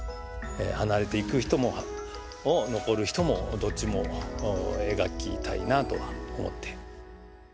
離れていく人も残る人も、どっちも描きたいなと思って。